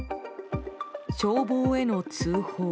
消防への通報。